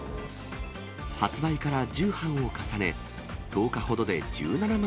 発売から重版を重ね、１０日ほどで１７万